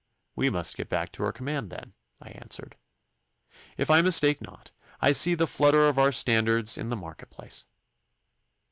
'We must get back to our command, then,' I answered. 'If I mistake not, I see the flutter of our standards in the market place.